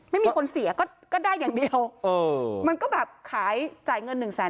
ไม่มีคนเสียก็ได้อย่างเดียวเออมันก็แบบขายจ่ายเงินหนึ่งแสน